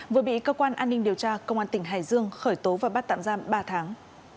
vừa bị cơ quan an ninh điều tra công an tỉnh hải dương khởi tố và bắt tạm giam ba tháng